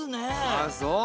あそう。